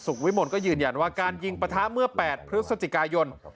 วิมลก็ยืนยันว่าการยิงปะทะเมื่อ๘พฤศจิกายน